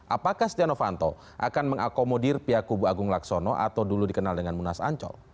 apakah setia novanto akan mengakomodir pihak kubu agung laksono atau dulu dikenal dengan munas ancol